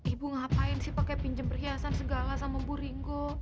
ibu ngapain sih pakai pinjem perhiasan segala sama bu ringo